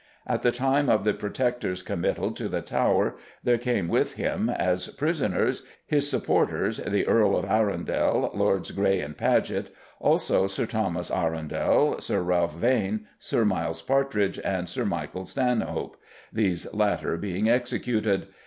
At the time of the Protector's committal to the Tower there came with him, as prisoners, his supporters the Earl of Arundel, Lords Grey and Paget; also Sir Thomas Arundel, Sir Ralph Vane, Sir Miles Partridge and Sir Michael Stanhope these latter being executed.